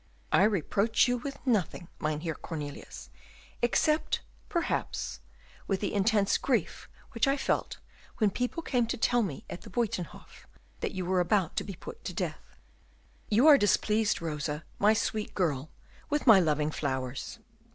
"I reproach you with nothing, Mynheer Cornelius, except, perhaps, with the intense grief which I felt when people came to tell me at the Buytenhof that you were about to be put to death." "You are displeased, Rosa, my sweet girl, with my loving flowers."